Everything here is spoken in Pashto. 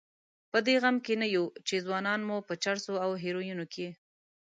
په دې غم کې نه یو چې ځوانان مو په چرسو او هیرویینو کې.